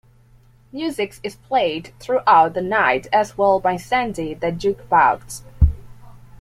Music is played throughout the night as well by Sandy the Jukebox.